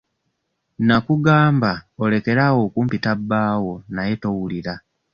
Nnakugamba olekere awo okumpita bbaawo naye towulira.